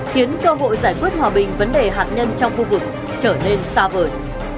khiến cơ hội giải quyết hòa bình vấn đề hạt nhân trong khu vực trở nên xa vời